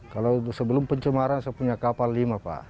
kalau sebelum pencemaran saya punya kapal lima pak